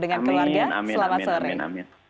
dengan keluarga selamat sering